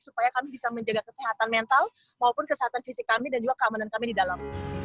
supaya kami bisa menjaga kesehatan mental maupun kesehatan fisik kami dan juga keamanan kami di dalam